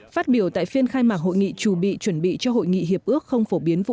phát biểu tại phiên khai mạc hội nghị trù bị chuẩn bị cho hội nghị hiệp ước không phổ biến vũ